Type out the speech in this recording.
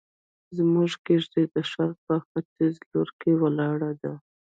زموږ کيږدۍ د ښار په ختيز لور کې ولاړه ده.